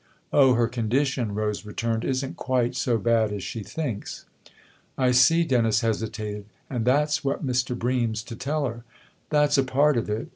" Oh, her condition," Rose returned, " isn't quite so bad as she thinks." "I see." Dennis hesitated. "And that's what Mr. Bream's to tell her." "That's a part of it."